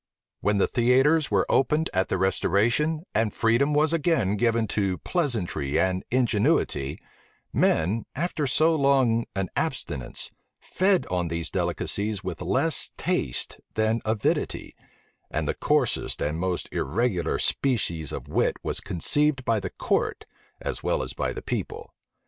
When the theatres were opened at the restoration, and freedom was again given to pleasantry and ingenuity, men, after so long an abstinence, fed on these delicacies with less taste than avidity, and the coarsest and most irregular species of wit was received by the court as well as by the people.